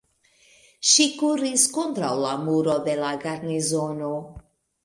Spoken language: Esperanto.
Ĝi kuris kontraŭ la muro de la garnizono.